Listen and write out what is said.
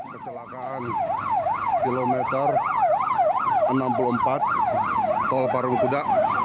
kecelakaan kilometer enam puluh empat tol parungkuda